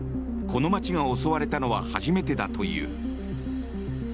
この街が襲われたのは初めてだという。